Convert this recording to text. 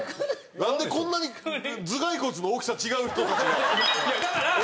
なんでこんなに頭蓋骨の大きさ違う人たちが同じ階級？